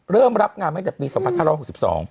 เริ่มรับงานมาตั้งแต่ปี๒๕๖๒